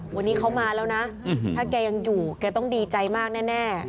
วันนี้เขามาแล้วนะถ้าแกยังอยู่แกต้องดีใจมากแน่